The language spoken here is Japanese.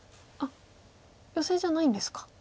あっヨセじゃないんですか。